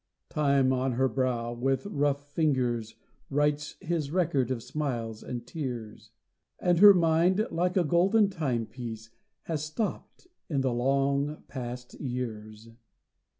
Time on her brow with rough fingers Writes his record of smiles and tears; And her mind, like a golden timepiece, He stopped in the long past years.